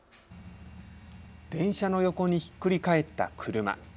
電車の横にひっくり返った車。